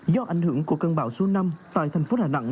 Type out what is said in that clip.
do ảnh hưởng của cơn bão số năm tại thành phố đà nẵng